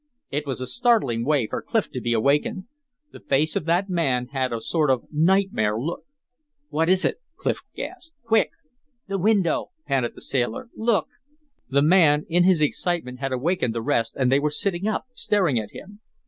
It was a startling way for Clif to be awakened; the face of that man had a sort of nightmare look. "What is it?" Clif gasped. "Quick!" "The window!" panted the sailor. "Look!". The man in his excitement had awakened the rest and they were sitting up staring at him.